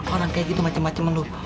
orang kayak gitu macem macem lu